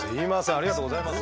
ありがとうございます。